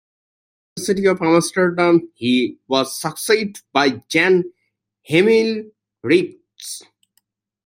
At the University of Amsterdam he was succeeded by Jan Hemelrijk.